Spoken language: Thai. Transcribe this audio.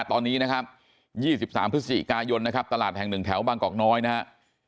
ตอนนี้นะครับ๒๓พฤษศีริกายนตลาดแห่งหนึ่งแถวบางกอกน้อยนะฮะ